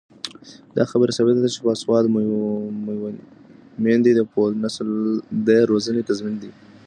دا خبره ثابته ده چې باسواده میندې د پوه نسل د روزنې تضمین دي.